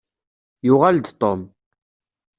Yuɣal-d Tom.